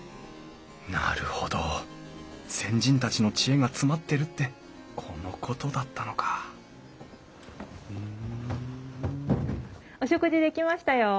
なるほど先人たちの知恵が詰まってるってこのことだったのかお食事出来ましたよ。